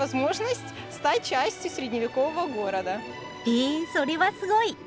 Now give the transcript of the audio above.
へえそれはすごい。